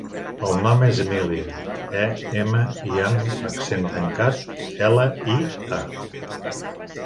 El nom és Emília: e, ema, i amb accent tancat, ela, i, a.